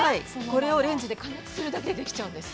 ◆これをレンジで加熱するだけでできちゃうんです。